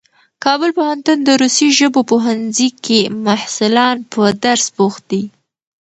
کابل پوهنتون د روسي ژبو پوهنځي کې محصلان په درس بوخت دي.